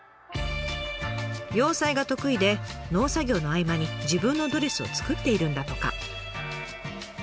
洋裁が得意で農作業の合間に自分のドレスを作っているんだとか。